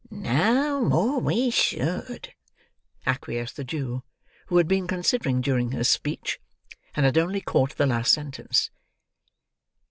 "No more we should," acquiesced the Jew, who had been considering during this speech, and had only caught the last sentence.